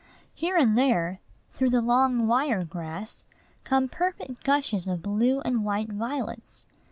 Here and there through the long wire grass come perfect gushes of blue and white violets.